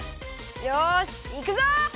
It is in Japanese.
よしいくぞ！